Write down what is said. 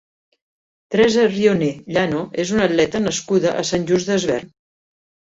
Teresa Rioné Llano és una atleta nascuda a Sant Just Desvern.